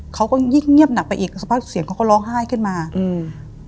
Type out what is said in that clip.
เขาก็ยิ่งเงียบหนักไปอีกสักพักเสียงเขาก็ร้องไห้ขึ้นมาอืม